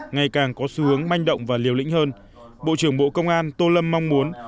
ngày càng có xu hướng manh động và liều lĩnh hơn bộ trưởng bộ công an tô lâm mong muốn